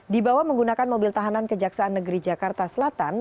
di bawah menggunakan mobil tahanan kejaksaan negeri jakarta selatan